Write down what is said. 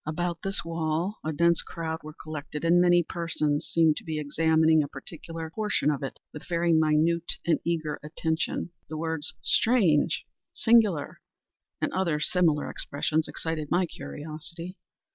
About this wall a dense crowd were collected, and many persons seemed to be examining a particular portion of it with very minute and eager attention. The words "strange!" "singular!" and other similar expressions, excited my curiosity.